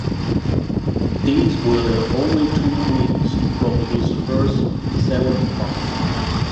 These were the only two wins from his first seven fights.